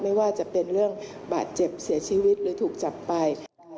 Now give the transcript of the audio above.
ไม่ว่าจะเป็นเรื่องบาดเจ็บเสียชีวิตหรือถูกจับไป